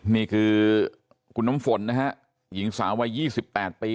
นี่คือคุณน้ำฝนนะฮะหญิงสาววัยยี่สิบแปดปี